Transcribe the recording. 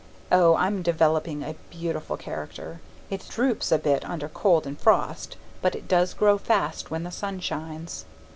Oh, I'm developing a beautiful character! It droops a bit under cold and frost, but it does grow fast when the sun shines.